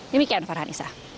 demikian farhan isah